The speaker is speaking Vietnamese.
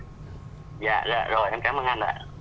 dạ dạ rồi em cảm ơn anh ạ